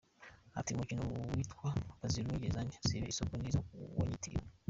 Ati “Umukino witwa ‘Bazirunge zange zibe isogo’ ni wo wanyitiriwe.